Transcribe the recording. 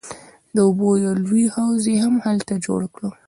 د اوبو یو لوی حوض یې هم هلته جوړ کړ.